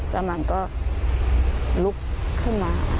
แล้วมันก็ลุกขึ้นมา